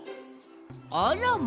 あらま。